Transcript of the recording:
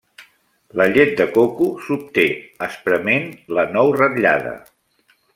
La llet de coco s'obté esprement la nou ratllada.